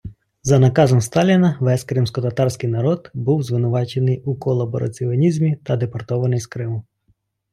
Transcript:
За наказом Сталіна весь кримськотатарський народ був звинувачений у колабораціонізмі та депортований з Криму.